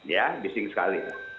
ya bising sekali